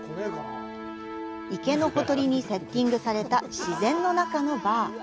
池のほとりにセッティングされた自然の中のバー。